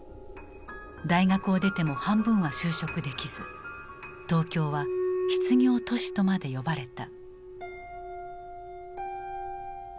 大学を出ても半分は就職できず東京は「失業都市」とまで呼ばれた。